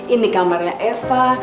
ini kamarnya eva